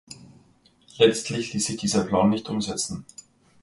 Letztlich ließ sich dieser Plan nicht umsetzten.